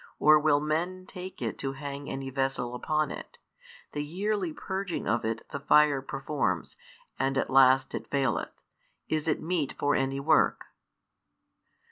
Or will men take it to hang any vessel upon it? The yearly purging of it the fire performs; and at last it faileth. Is it meet for any work?